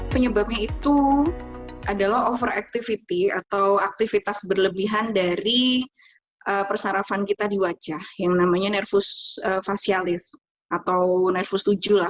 penyebabnya itu adalah over activity atau aktivitas berlebihan dari persarafan kita di wajah yang namanya nervous fasialis atau nervous tujuh lah